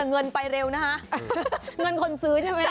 โอ้แต่เงินไปเร็วนะฮะเงินคนซื้อใช่ไหม